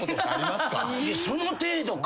その程度か。